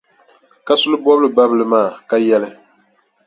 Kasuli bɔbili babila maa, ka yɛli,